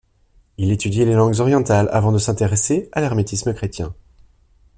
Il étudie les langues orientales avant de s'intéresser à l'hermétisme chrétien.